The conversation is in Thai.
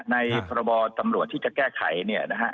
พรบตำรวจที่จะแก้ไขเนี่ยนะฮะ